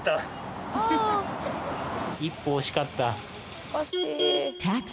一歩惜しかった。